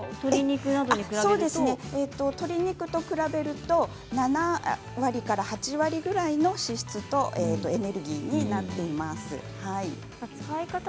鶏肉と比べると７割から８割ぐらいの脂質とエネルギーになっています。